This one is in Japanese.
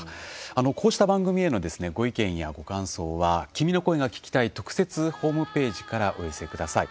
こうした番組へのご意見やご感想は「君の声が聴きたい」特設ホームページからお寄せください。